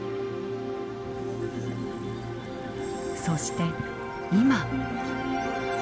そして今。